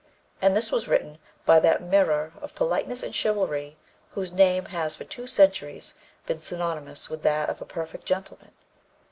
" And this was written by that "mirror of politeness and chivalry" whose name has for two centuries been synonymous with that of a perfect gentleman!